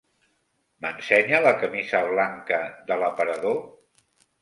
M'ensenya la camisa blanca de l'aparador?